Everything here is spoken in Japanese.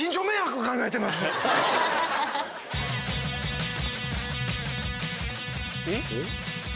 えっ？